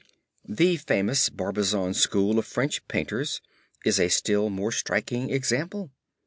The famous Barbizon School of French Painters is a still more striking example.